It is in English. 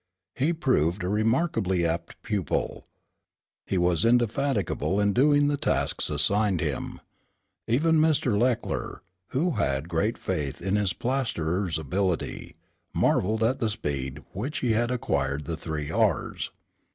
He proved a remarkably apt pupil. He was indefatigable in doing the tasks assigned him. Even Mr. Leckler, who had great faith in his plasterer's ability, marveled at the speed which he had acquired the three R's.